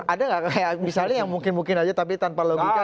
ada nggak kayak misalnya yang mungkin mungkin aja tapi tanpa logika